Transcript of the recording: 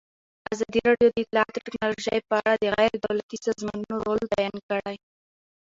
ازادي راډیو د اطلاعاتی تکنالوژي په اړه د غیر دولتي سازمانونو رول بیان کړی.